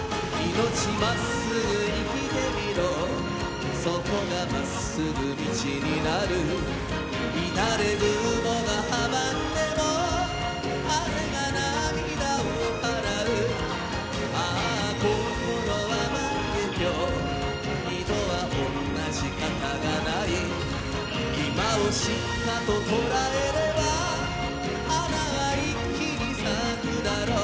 のちまっすぐ生きてみろそこがまっすぐ道になる乱れ雲が阻んでも疾風が涙を払うあゝ心は万華鏡二度はおんなじ形がないいまをしっかと捉えれば華は一気に咲くだろう